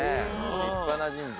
立派な神社。